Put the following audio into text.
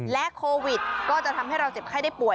โควิดก็จะทำให้เราเจ็บไข้ได้ป่ว